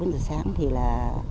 ba bốn giờ sáng thì là